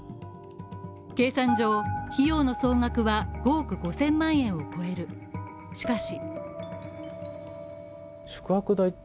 計算上、費用の総額は５億５０００万円を超えるしかし